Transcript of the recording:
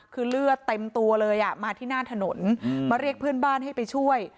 คือเลือดเต็มตัวเลยอ่ะมาที่หน้าถนนมาเรียกเพื่อนบ้านให้ไปช่วย